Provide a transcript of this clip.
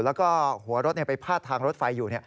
แล้วก็หัวรถไปพาดทางรถไฟอยู่